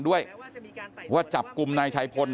ด้วยว่าจับกลุ่มนายชัยพล